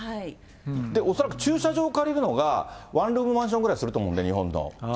恐らく駐車場を借りるのがワンルームマンションぐらいすると思うんで、日本の。